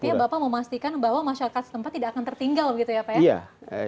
artinya bapak memastikan bahwa masyarakat setempat tidak akan tertinggal begitu ya pak ya